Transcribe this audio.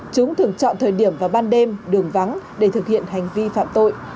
chúng thường chọn thời điểm vào ban đêm đường vắng để thực hiện hành vi phạm tội